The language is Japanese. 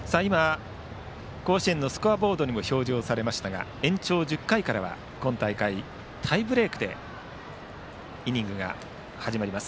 甲子園のスコアボードにも表示されましたが延長１０回からは今大会、タイブレークでイニングが始まります。